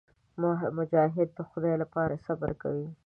مجاهد د خدای لپاره صبر کوي.